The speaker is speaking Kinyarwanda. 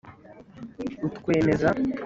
utwemeza